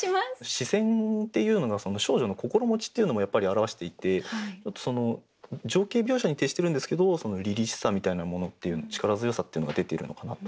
「視線」っていうのが少女の心持ちっていうのもやっぱり表していて情景描写に徹してるんですけどそのりりしさみたいなものっていう力強さっていうのが出ているのかなと。